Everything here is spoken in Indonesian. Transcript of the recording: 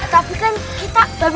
tapi kan kita lebih